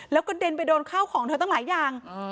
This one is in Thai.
แล้วกระเด็นไปโดนข้าวของเธอตั้งหลายอย่าง